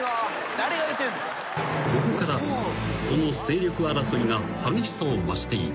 ［ここからその勢力争いが激しさを増していく］